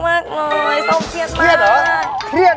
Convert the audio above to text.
อ่อโอ้โฮเครียด